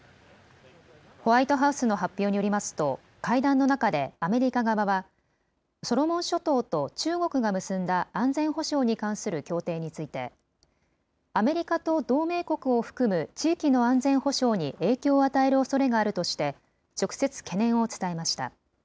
ホワイトハウスの発表によりますと、会談の中でアメリカ側は、ソロモン諸島と中国が結んだ安全保障に関する協定について、アメリカと同盟国を含む地域の安全保障に影響を与えるおそれがあるとして、直接懸念を伝えました。